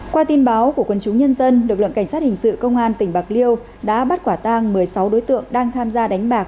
qua tin báo của quân chúng nhân dân lực lượng cảnh sát hình sự công an tỉnh bạc liêu đã bắt quả tang một mươi sáu đối tượng đang tham gia đánh bạc